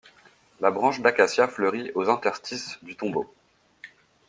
La branche d'acacia fleurit aux interstices du tombeau.